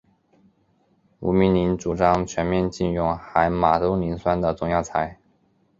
吴明铃主张全面禁用含马兜铃酸的中药材。